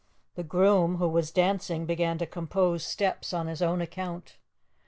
The groom, who was dancing, began to compose steps on his own account.